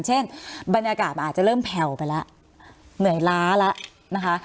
เช่นบรรยากาศมันอาจจะเริ่มแผ่วไปแล้วเหนื่อยล้าแล้วนะคะ